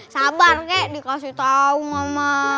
sabar kek dikasih tahu mama